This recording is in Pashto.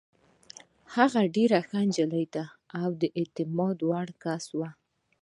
هغه ډېره ښه نجلۍ او د اعتماد وړ کس وه.